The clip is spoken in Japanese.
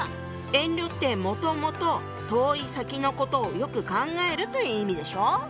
遠慮ってもともと「遠い先のことをよく考える」という意味でしょ。